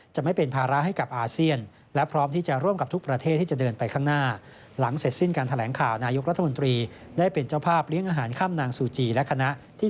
จะไม่เป็นภาระให้กับอาเซียน